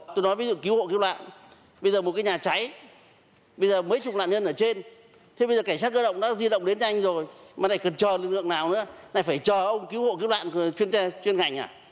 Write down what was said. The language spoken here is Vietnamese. tôi nói ví dụ cứu hộ cứu loạn bây giờ một cái nhà cháy bây giờ mấy chục loạn nhân ở trên thế bây giờ cảnh sát cơ động đã di động đến nhanh rồi mà này cần chờ lượng nào nữa này phải chờ ông cứu hộ cứu loạn chuyên ngành à